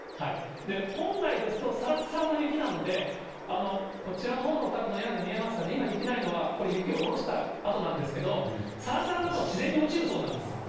本来ですと、さらさらの雪なので、こちらのほうのお宅の屋根、今、雪ないのは、これ、雪を下ろしたあとなんですけども、さらさらだと自然に落ちるそうなんです。